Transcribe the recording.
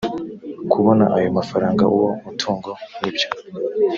kubona ayo mafaranga uwo mutungo n ibyo